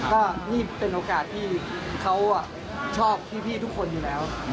ก็นี่เป็นโอกาสที่เขาชอบพี่ทุกคนอยู่แล้ว